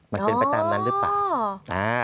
มันเป็นไปตามนั้นหรือเปล่า